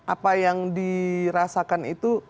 apa yang dirasakan itu